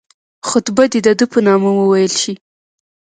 خطبه دي د ده په نامه وویل شي.